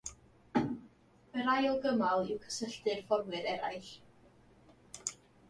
Yr ail gymal yw cysylltu'r fforwyr eraill.